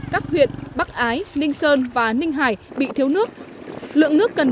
các huyện bắc ái ninh sơn và ninh hải bị thiếu nước